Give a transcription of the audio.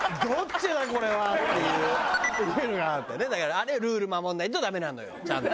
あれルール守らないとダメなのよちゃんと。